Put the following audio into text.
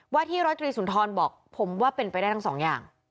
ว่าที่ร้อยตรีสุนทรบอกผมว่าเป็นไปได้ทั้งสองอย่าง